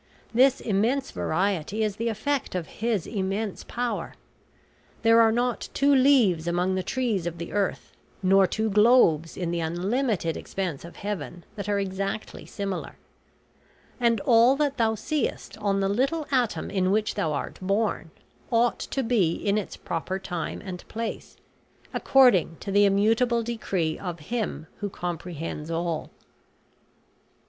This immense variety is the effect of His immense power. There are not two leaves among the trees of the earth, nor two globes in the unlimited expanse of heaven that are exactly similar; and all that thou seest on the little atom in which thou art born, ought to be in its proper time and place, according to the immutable decree of Him who comprehends all.